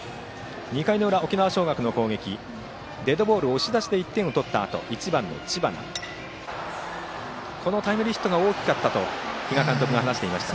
２回裏、沖縄尚学の攻撃デッドボール押し出しで１点を取ったあと１番、知花のタイムリーヒットが大きかったと比嘉監督が話していました。